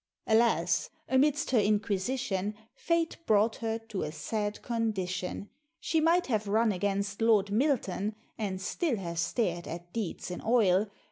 Alas! amidst her inquisition, Fate brought her to a sad condition; She might have run against Lord Milton, And still have stared at deeds in oil.